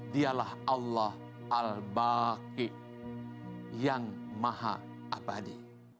dialah allah al baki yang maha abadi